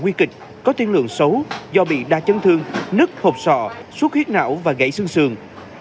nặng có tiên lượng xấu do bị đa chân thương nứt hộp sọ suốt huyết não và gãy xương xường